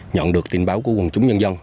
nhận được tin báo của quân chúng nhân dân